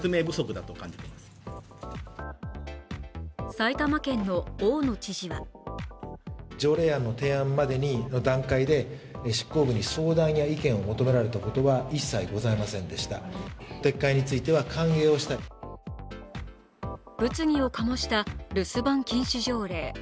埼玉県の大野知事は物議を醸した留守番禁止条例。